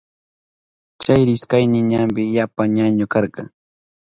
Chay rishkayni ñampi yapa ñañu karka.